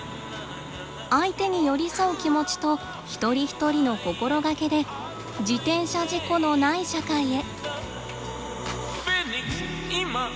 相手に寄り添う気持ちと一人一人の心がけで自転車事故のない社会へ。